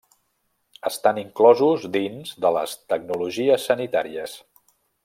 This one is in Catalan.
Estan inclosos dins de les tecnologies sanitàries.